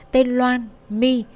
tên loan my